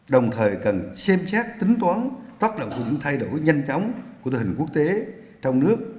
đồng thời cần xem xét tính toán tác động của những thay đổi nhanh chóng của tình hình quốc tế trong nước